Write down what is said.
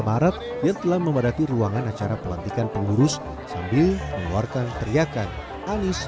maret yang telah memadati ruangan acara pelantikan pengurus sambil mengeluarkan teriakan anies